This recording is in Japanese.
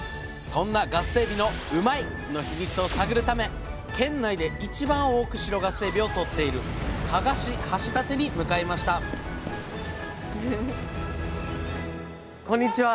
そんなガスエビのうまいッ！の秘密を探るため県内で一番多く白ガスエビをとっている加賀市橋立に向かいましたこんにちは！